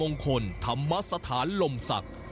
คนธรรมสถานลมศักดิ์